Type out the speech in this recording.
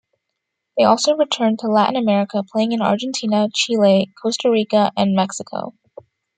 They also returned to Latin America, playing in Argentina, Chile, Costa Rica and Mexico.